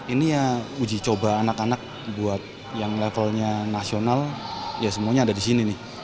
ini ya uji coba anak anak buat yang levelnya nasional ya semuanya ada di sini nih